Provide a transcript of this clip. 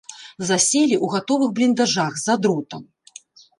Заселі ў гатовых бліндажах за дротам.